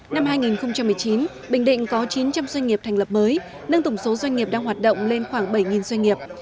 năm hai nghìn một mươi chín bình định có chín trăm linh doanh nghiệp thành lập mới nâng tổng số doanh nghiệp đang hoạt động lên khoảng bảy doanh nghiệp